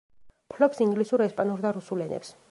ფლობს ინგლისურ, ესპანურ და რუსულ ენებს.